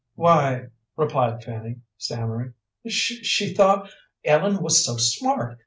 "Why," replied Fanny, stammering, "she thought Ellen was so smart.